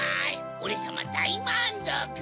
オレさまだいまんぞく！